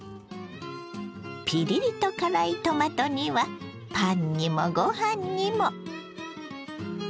ピリリと辛いトマト煮はパンにもご飯にも。